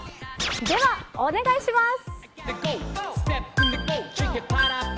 では、お願いします。